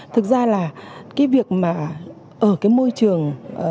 thực ra là cái việc mà ở cái môi trường